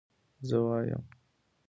زه وايم